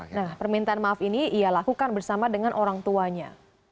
nah permintaan maaf ini ia lakukan bersama dengan orang tuanya